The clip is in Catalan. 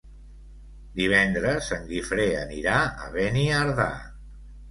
Divendres en Guifré anirà a Beniardà.